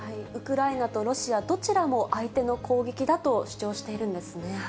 ウクライナとロシア、どちらも相手の攻撃だと主張しているんですね。